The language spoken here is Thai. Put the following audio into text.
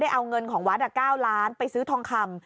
เอาเงินของวัด๙ล้านไปซื้อทองคำ